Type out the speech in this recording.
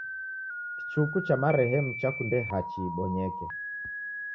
Kichuku cha marehemu chakunde hachi ibonyeke.